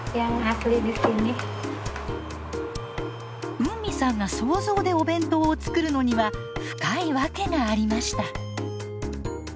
ウンミさんが想像でお弁当を作るのには深い訳がありました。